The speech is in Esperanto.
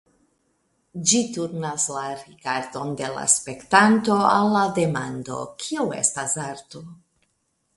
Ĝi turnas la rigardon de la spektanto al la demando "Kio estas arto?